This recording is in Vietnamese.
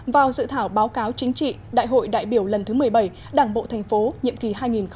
vào dự thảo báo cáo chính trị đại hội đại biểu lần thứ một mươi bảy đảng bộ thành phố nhiệm kỳ hai nghìn hai mươi hai nghìn hai mươi năm